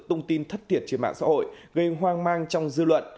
thông tin thất thiệt trên mạng xã hội gây hoang mang trong dư luận